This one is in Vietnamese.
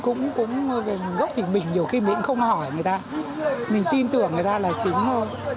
chứ cũng gốc thịt mình nhiều khi mình cũng không hỏi người ta mình tin tưởng người ta là chứng thôi